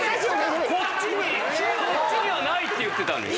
こっちにはないって言ってたのに！